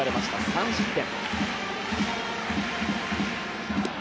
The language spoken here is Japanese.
３失点。